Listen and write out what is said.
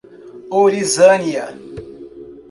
Orizânia